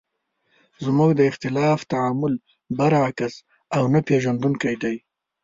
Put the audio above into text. زموږ د اختلاف تعامل برعکس او نه پېژندونکی دی.